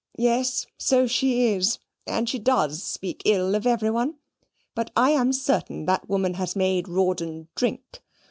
Yes, so she is, and she does speak ill of every one but I am certain that woman has made Rawdon drink.